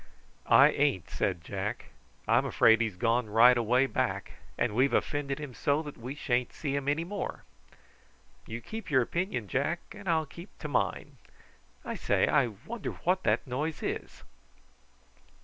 "I ain't," said Jack. "I'm afraid he's gone right away back; and we've offended him so that we sha'n't see him any more." "You keep your opinion, Jack, and I'll keep to mine. I say, I wonder what that noise is!"